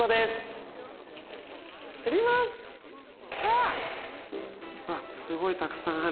あっすごいたくさんある。